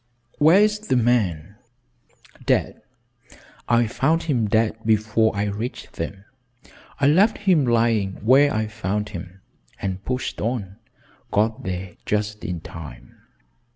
"Where is the man?" "Dead. I found him dead before I reached them. I left him lying where I found him, and pushed on got there just in time.